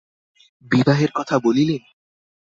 বিবাহের কথা বলিলে?